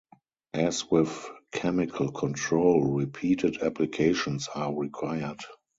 As with chemical control, repeated applications are required.